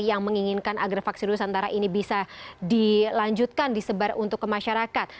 yang menginginkan agar vaksin nusantara ini bisa dilanjutkan disebar untuk ke masyarakat